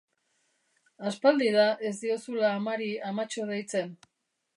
Aspaldi da ez diozula amari amatxo deitzen.